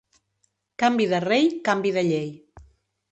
Canvi de rei, canvi de llei.